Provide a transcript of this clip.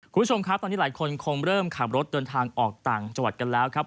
คุณผู้ชมครับตอนนี้หลายคนคงเริ่มขับรถเดินทางออกต่างจังหวัดกันแล้วครับ